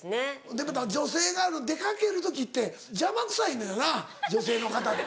でも女性が出かける時って邪魔くさいのよな女性の方って。